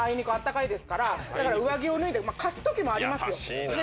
だから上着を脱いで貸すときもありますよ。